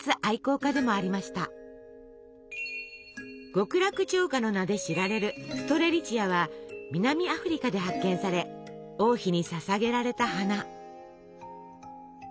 「極楽鳥花」の名で知られるストレリチアは南アフリカで発見され王妃にささげられた花。